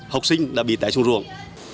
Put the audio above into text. học sinh đã bị tải xuống ruộng